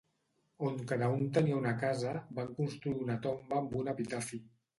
On cada un tenia una casa, van construir una tomba amb un epitafi.